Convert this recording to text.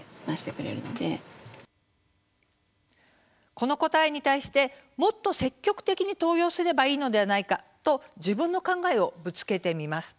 この答えに対しもっと積極的に登用すればいいのではないかと自分の考えをぶつけてみます。